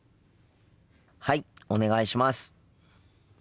はいお願いします。